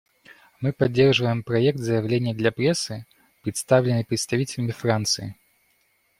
Мы поддерживаем проект заявления для прессы, представленный представителем Франции.